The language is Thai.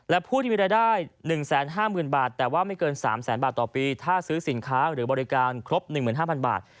และผู้ที่มีรายได้๑๕๐๐๐บาทแต่ว่าไม่เกิน๓แสนบาทต่อปีถ้าซื้อสินค้าหรือบริการครบ๑๕๐๐บาท